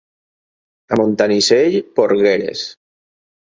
A Montanissell, porgueres.